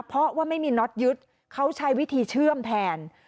เพราะว่าไม่มีน็อตยึดเขาใช้วิธีเชื่อมแทน